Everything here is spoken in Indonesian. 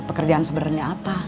pekerjaan sebenarnya apa